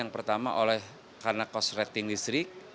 pertama karena cost rating listrik